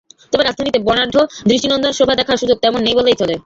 তবে রাজধানীতে বর্ণাঢ্য দৃষ্টিনন্দন শোভা দেখার সুযোগ তেমন নেই বললেই চলে।